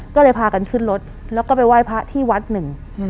ก็เลยพากันขึ้นรถแล้วก็ไปไหว้พระที่วัดหนึ่ง